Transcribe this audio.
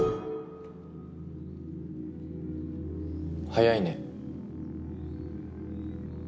早いね。